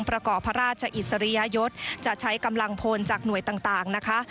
ประกอบพระราชอิสริยยศจะใช้กำลังพลจากหน่วยต่างนะคะ